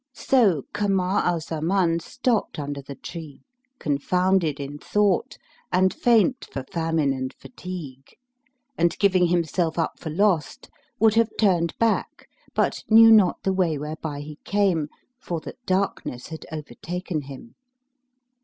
So Kamar al Zaman stopped under the tree confounded in thought and faint for famine and fatigue, and giving himself up for lost, would have turned back, but knew not the way whereby he came, for that darkness had overtaken him.